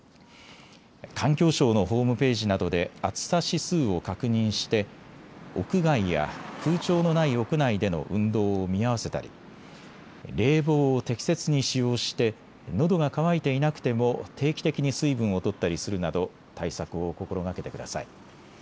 環境省のホームページなどで暑さ指数を確認して屋外や空調のない屋内での運動を見合わせたり、冷房を適切に使用してのどが渇いていなくても定期的に水分をとったりするなど対策を心がけてください。